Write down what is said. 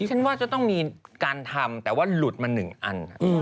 ฉันว่าจะต้องมีการทำแต่ว่าหลุดมา๑อัน